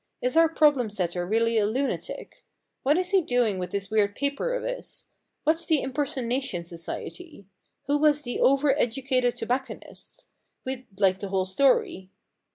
Is our problem setter really a lunatic ? What is he doing with this weird paper of his ? What's the Impersonation Society ? Who was the over educated tobac conist ? We'd like the whole story.'